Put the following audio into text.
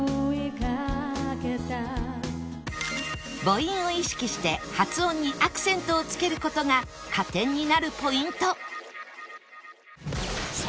母音を意識して発音にアクセントをつける事が加点になるポイント